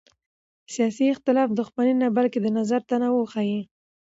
سیاسي اختلاف دښمني نه بلکې د نظر تنوع ښيي